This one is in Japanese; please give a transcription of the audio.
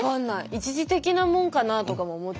一時的なもんかなあとかも思っちゃうし。